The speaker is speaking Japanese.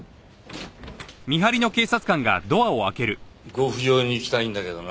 ご不浄に行きたいんだけどな。